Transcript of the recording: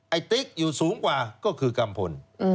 ติ๊กอยู่สูงกว่าก็คือกัมพล